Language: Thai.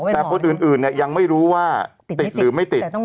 แต่คนอื่นยังไม่รู้ว่าติดหรือไม่ติด